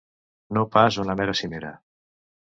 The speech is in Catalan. No pas una mera cimera.